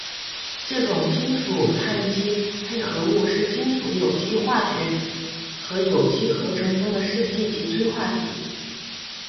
这种金属羰基配合物是金属有机化学和有机合成中的试剂及催化剂。